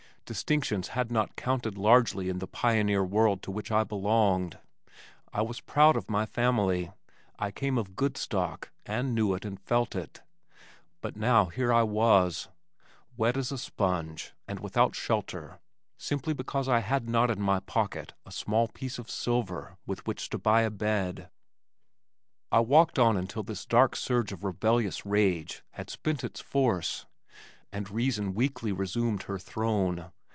Distinctions had not counted largely in the pioneer world to which I belonged. I was proud of my family. I came of good stock, and knew it and felt it, but now here I was, wet as a sponge and without shelter simply because I had not in my pocket a small piece of silver with which to buy a bed. I walked on until this dark surge of rebellious rage had spent its force and reason weakly resumed her throne.